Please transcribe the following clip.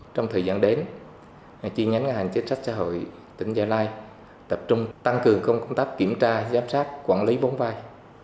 trong thời gian đến hành chí nhánh hành chính sách xã hội tỉnh gia lai tập trung tăng cường công tác kiểm tra giám sát quản lý vốn vai